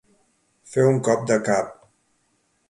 Fer un cop de cap.